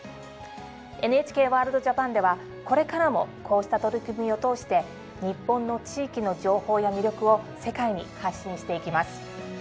「ＮＨＫワールドＪＡＰＡＮ」ではこれからもこうした取り組みを通して日本の地域の情報や魅力を世界に発信していきます。